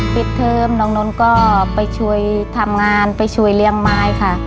เทิมน้องนนท์ก็ไปช่วยทำงานไปช่วยเลี้ยงไม้ค่ะ